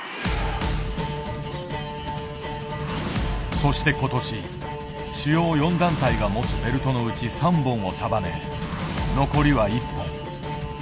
そして今年、主要４団体が持つベルトのうち３本を束ね残りは１本。